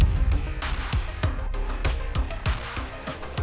maksudnya lo bebas dari mel gimana